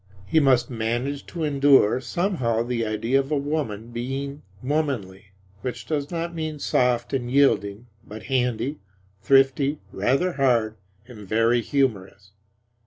He must manage to endure somehow the idea of a woman being womanly, which does not mean soft and yielding, but handy, thrifty, rather hard, and very humorous.